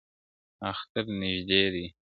اختر نژدې دی,